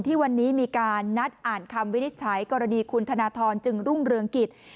ที่วันนี้มีการนัดอ่านคำวินิจฉัยกรณีคุณธนทรจึงรุ่งเรืองกิจ